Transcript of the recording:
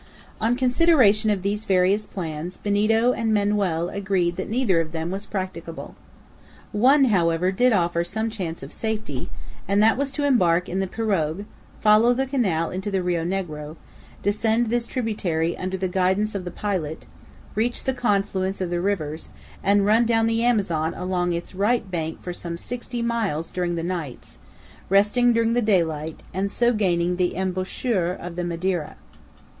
On consideration of these various plans, Benito and Manoel agreed that neither of them was practicable. One, however, did offer some chance of safety, and that was to embark in the pirogue, follow the canal into the Rio Negro, descend this tributary under the guidance of the pilot, reach the confluence of the rivers, and run down the Amazon along its right bank for some sixty miles during the nights, resting during the daylight, and so gaining the embouchure of the Madeira.